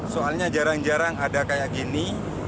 soalnya jarang jarang ada kayak gini